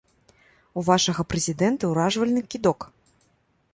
У вашага прэзідэнта ўражвальны кідок!